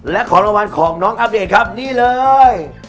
และของรางวัลของน้องอัปเดตครับนี่เลย